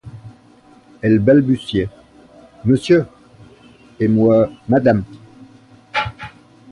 Elle balbutiait : Monsieur… et moi : Madame.